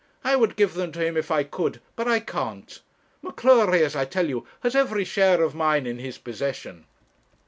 I would give them to him if I could, but I can't. M'Cleury, as I tell you, has every share of mine in his possession.'